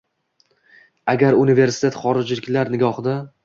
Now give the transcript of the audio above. Agrar universitet xorijliklar nigohida